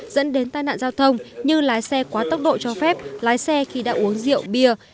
dẫn đến tai nạn giao thông như lái xe quá tốc độ cho phép lái xe khi đã uống rượu bia